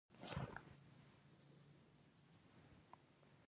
فکري دښمن معرفي شو